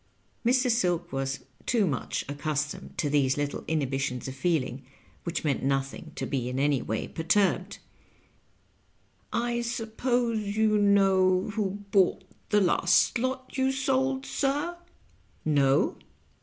Mr. Silk was tob mnch accostomed to these little ex hibitions of feeling, which meant nothing, to be in any way perturbed. " I suppose you know who bought the last lot you sold, sir?" "No."